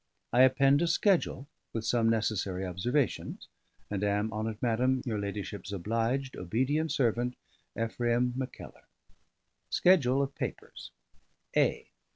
I append a schedule with some necessary observations, And am, Honoured Madam, Your ladyship's obliged, obedient servant, EPHRAIM MACKELLAR. Schedule of Papers. A.